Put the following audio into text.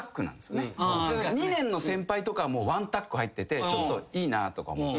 ２年の先輩とかはもう１タック入っててちょっといいなとか思って。